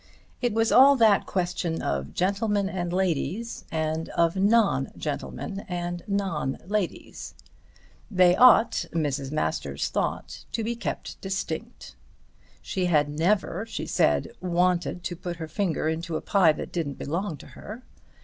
It was all that question of gentlemen and ladies, and of non gentlemen and non ladies! They ought, Mrs. Masters thought, to be kept distinct. She had never, she said, wanted to put her finger into a pie that didn't belong to her.